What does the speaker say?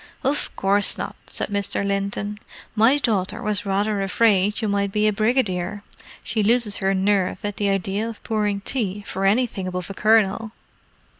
"Of course not," said Mr. Linton. "My daughter was rather afraid you might be a brigadier. She loses her nerve at the idea of pouring tea for anything above a colonel."